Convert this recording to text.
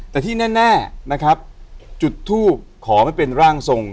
แต่ที่แน่นะครับจุดทูบขอไม่เป็นร่างทรง